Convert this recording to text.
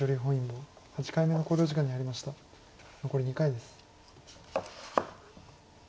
残り２回です。